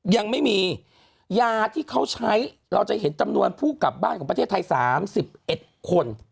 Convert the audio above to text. ยังไม่มียาที่เขาใช้เราจะเห็นจำนวนผู้กลับบ้านของประเทศไทย๓๑คน